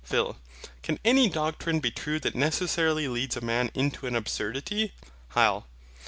PHIL. Can any doctrine be true that necessarily leads a man into an absurdity? HYL.